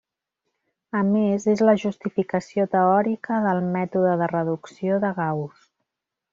A més, és la justificació teòrica del mètode de reducció de Gauss.